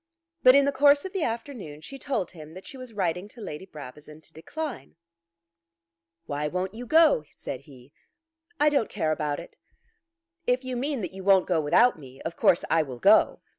But in the course of the afternoon she told him that she was writing to Lady Brabazon to decline. "Why won't you go?" said he. "I don't care about it." "If you mean that you won't go without me, of course I will go."